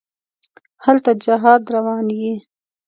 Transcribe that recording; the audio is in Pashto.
هلته جهاد ته روان یې.